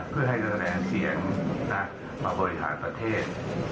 เพื่อให้เรียนแรงเสียงมาบริษัทประเทศ